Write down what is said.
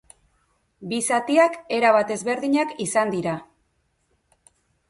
Bi zatiak erabat ezberdinak izan dira.